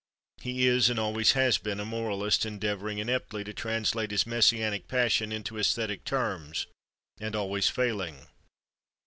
He is, and always has been, a moralist endeavoring ineptly to translate his messianic passion into æsthetic terms, and always failing.